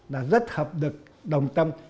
là rất hợp được đồng tâm